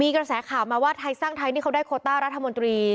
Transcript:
กระแสข่าวมาว่าไทยสร้างไทยนี่เขาได้โคต้ารัฐมนตรี